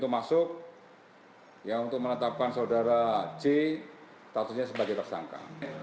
maksudnya sebagai tersangka